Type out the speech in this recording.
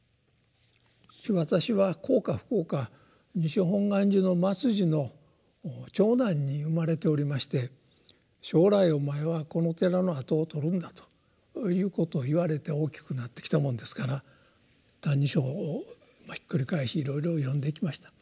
私は幸か不幸か西本願寺の末寺の長男に生まれておりまして「将来お前はこの寺の跡をとるんだ」ということを言われて大きくなってきたものですから「歎異抄」をひっくり返しいろいろ読んできました。